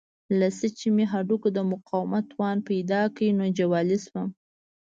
لږ څه مې چې هډوکو د مقاومت توان پیدا کړ نو جوالي شوم.